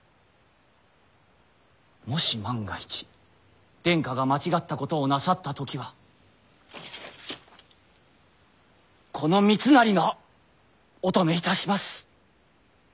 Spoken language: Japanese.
もし万が一殿下が間違ったことをなさった時はこの三成がお止めいたします。